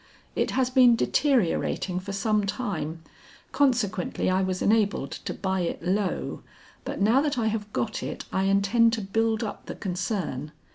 It has been deteriorating for some time, consequently I was enabled to buy it low, but now that I have got it I intend to build up the concern.